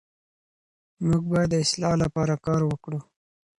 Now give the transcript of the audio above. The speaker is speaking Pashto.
موږ باید د اصلاح لپاره کار وکړو.